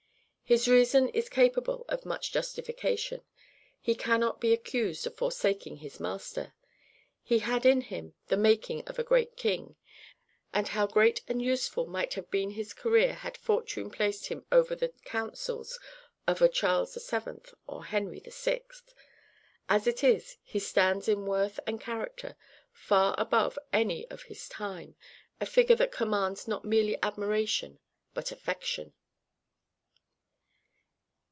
His treason is capable of much justification: he cannot be accused of forsaking his master. He had in him the making of a great king, and how great and useful might have been his career had fortune placed him over the councils of a Charles VII. or a Henry VI.! As it is, he stands in worth and character far above any of his time, a figure that commands not merely admiration but affection.